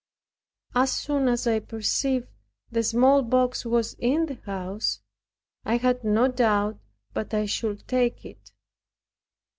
As soon as I perceived the smallpox was in the house, I had no doubt but I should take it.